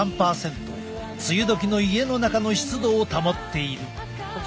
梅雨時の家の中の湿度を保っている。